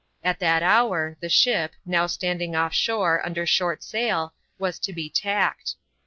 At that hour, the ship — now standing off shore, under short sail — was to be tacked.